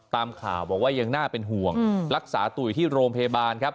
ตามข่าวบอกว่ายังน่าเป็นห่วงรักษาตัวอยู่ที่โรงพยาบาลครับ